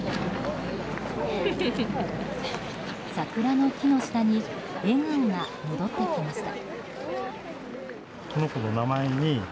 桜の木の下に笑顔が戻ってきました。